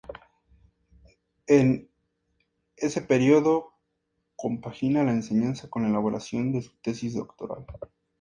En ese período, compagina la enseñanza con la elaboración de su tesis doctoral.